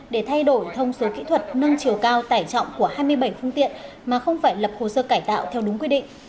để thay đổi thông số kỹ thuật nâng chiều cao tải trọng của hai mươi bảy phương tiện mà không phải lập hồ sơ cải tạo theo đúng quy định